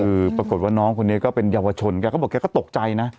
คือปรากฏว่าน้องคนนี้ก็เป็นเยาวชนแกก็บอกแกก็ตกใจนะ